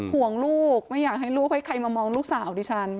ห่วงลูกไม่อยากให้ลูกให้ใครมามองลูกสาวดิฉัน